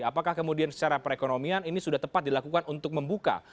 apakah kemudian secara perekonomian ini sudah tepat dilakukan untuk membuka